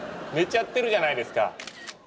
寝ちゃってるじゃないですか。